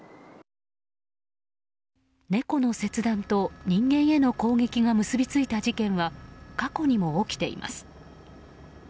猫の切断と人間への攻撃が結びついた事件は過去にも起きています。